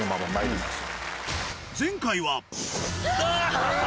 前回はあ！